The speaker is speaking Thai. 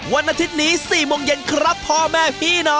วันอาทิตย์นี้๔โมงเย็นครับพ่อแม่พี่น้อง